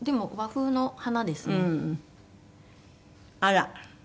あら。